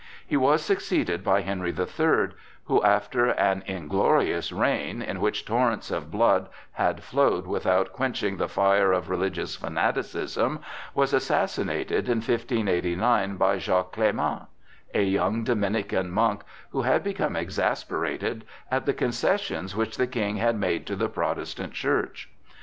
He was succeeded by Henry the Third, who after an inglorious reign, in which torrents of blood had flowed without quenching the fire of religious fanaticism, was assassinated in 1589 by Jacques Clément, a young Dominican monk, who had become exasperated at the concessions which the King had made to the Protestant Church.